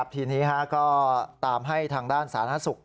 ทีนี้ก็ตามให้ทางด้านสาธารณสุข